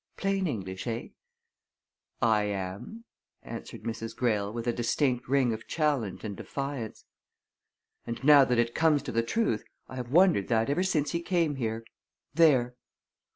Plain English, eh?" "I am!" answered Mrs. Greyle with a distinct ring of challenge and defiance. "And now that it comes to the truth, I have wondered that ever since he came here. There!"